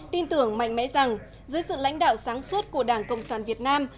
tin tưởng mạnh mẽ rằng dưới sự lãnh đạo sáng suốt của đảng cộng sản việt nam